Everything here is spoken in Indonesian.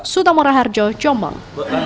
sudamora harjo jombang